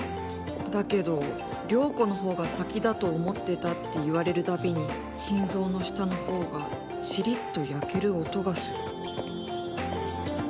だけど、亮子のほうが先だと思ってたと言われる度に心臓の下のほうがちりっと焼ける音がする。